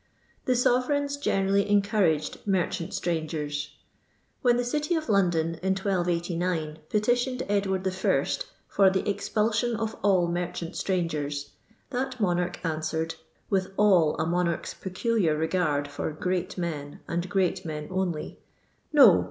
The sovereigns generally encouraged merchant •trangers." When the city of London, in 1289, petitioned Edward I. for the expulsion of all merchant strangers," that monarch answered, with all a monarch's peculiar regard for "great men and "great" men only, "No!